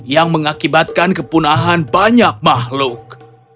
yang mengakibatkan kepunahan banyak makhluk